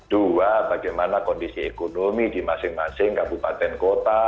dua bagaimana kondisi ekonomi di masing masing kabupaten kota